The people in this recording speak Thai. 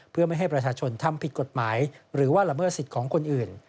เพื่อไม่ให้ประชาชนทำผิดกฎหมายหรือว่าละเมิดสิทธิ์ของคนอื่น